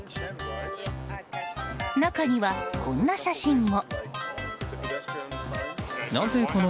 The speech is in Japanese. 中には、こんな写真も。